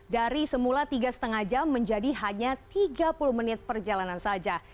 dari semula tiga lima jam menjadi hanya tiga puluh menit perjalanan saja